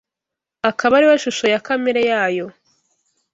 akaba ari we shusho ya kamere yayo